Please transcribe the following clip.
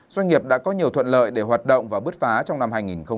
doanh nghiệp đã có nhiều thuận lợi để hoạt động và bứt phá trong năm hai nghìn hai mươi